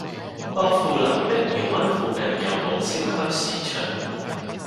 薄扶林碧瑤灣附近有無超級市場？